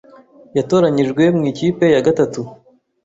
Yatoranyijwe mu ikipe ya gatatu